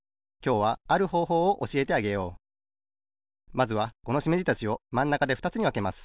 まずはこのしめじたちをまんなかでふたつにわけます。